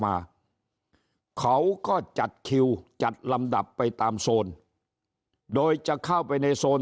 มาเขาก็จัดคิวจัดลำดับไปตามโซนโดยจะเข้าไปในโซน